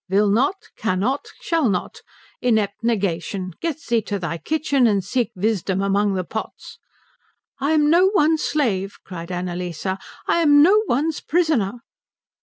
"Will not! Cannot! Shall not! Inept Negation, get thee to thy kitchen and seek wisdom among the pots." "I am no one's slave," cried Annalise, "I am no one's prisoner."